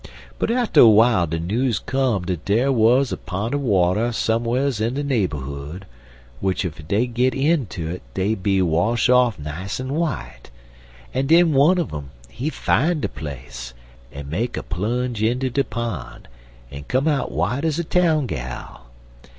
But atter 'w'ile de news come dat dere wuz a pon' er water some'rs in de naberhood, w'ich ef dey'd git inter dey'd be wash off nice en w'ite, en den one un um, he fine de place en make er splunge inter de pon', en come out w'ite ez a town gal.